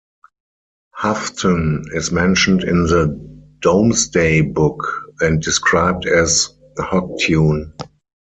Houghton is mentioned in the Domesday Book and described as "Hoctune".